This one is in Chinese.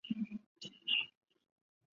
隋朝开皇三年废。